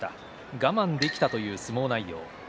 我慢できたという相撲内容でした。